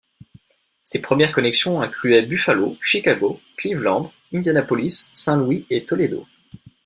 Ses premières connexions incluaient Buffalo, Chicago, Cleveland, Indianapolis, Saint-Louis et Toledo.